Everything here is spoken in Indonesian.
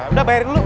udah bayarin dulu